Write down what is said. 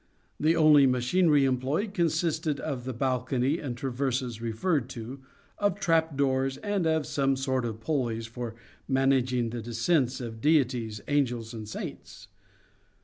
The only machinery employed consisted of the balcony and traverses referred to, of trap doors, and of some sort of pulleys for managing the descents of deities, angels, and saints.